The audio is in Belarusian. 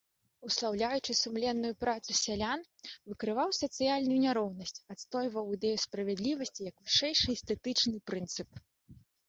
Услаўляючы сумленную працу сялян, выкрываў сацыяльную няроўнасць, адстойваў ідэю справядлівасці як вышэйшы эстэтычны прынцып.